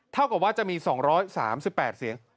เท่ากับว่าจะมี๒๓๘เสียง